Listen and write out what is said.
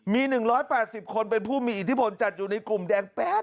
มี๑๘๐คนเป็นผู้มีอิทธิพลจัดอยู่ในกลุ่มแดงแป๊บ